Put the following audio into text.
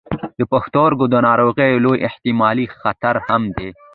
د پښتورګو د ناروغیو لوی احتمالي خطر هم دی.